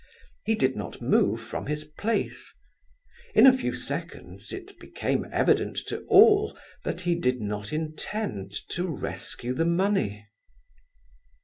He did not move from his place. In a few seconds it became evident to all that he did not intend to rescue the money.